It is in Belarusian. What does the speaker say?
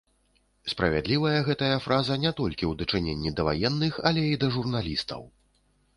Справядлівая гэта фраза не толькі ў дачыненні да ваенных, але і да журналістаў.